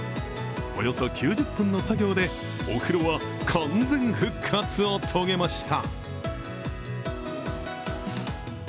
およそ９０分の作業でお風呂は完全復活を遂げました。